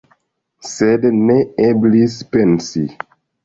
Sed ne eblis pensi.